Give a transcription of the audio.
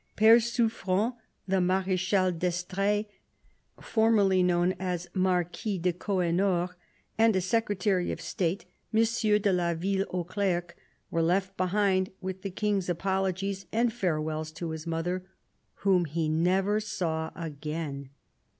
Pere Suffren, the Marechal d'Estr6es— formerly known as Marquis de Coenores — and a Secretary of State, M. de la Ville aux Clercs, were left behind with the King's apologies and farewells to his mother, whom he never saw again.